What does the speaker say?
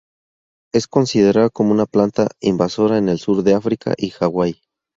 Es considerada como una planta invasora en el sur de África y Hawaii.